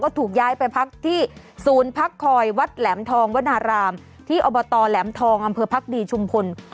ถูกย้ายไปพักที่ศูนย์พักคอยวัดแหลมทองวนารามที่อบตแหลมทองอำเภอพักดีชุมพล